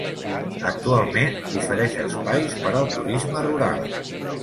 Actualment ofereix espais per al turisme rural.